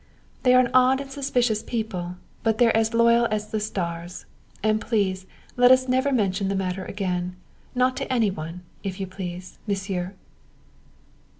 "They are an odd and suspicious people, but they're as loyal as the stars. And please let us never mention the matter again not to any one, if you please, Monsieur!"